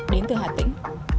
đến từ hà tĩnh